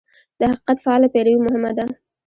د حقیقت فعاله پیروي مهمه ده.